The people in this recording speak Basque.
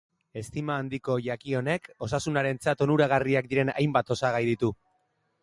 Estima handiko jaki honek, osasunarentzat onuragarriak diren hainbat osagai ditu.